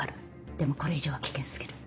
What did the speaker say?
でもこれ以上は危険過ぎる。